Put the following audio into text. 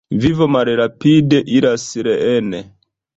Vivo malrapide iras reen.